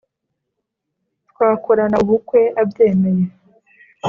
twakorana ubukwe abyemeye